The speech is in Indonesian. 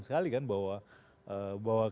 sekali kan bahwa